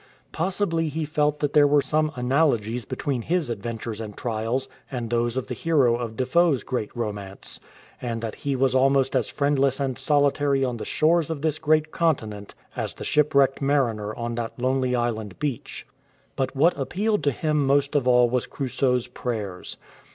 Possibly he felt that there were some analogies between his adventures and trials and those of the hero of Defoe's great romance, and that he was almost as friendless and solitary on the shores of this great con tinent as the shipwrecked mariner on that lonely island beach. But what appealed to him most of all was Crusoe's prayers.